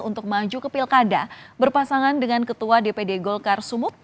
untuk maju ke pilkada berpasangan dengan ketua dpd golkar sumut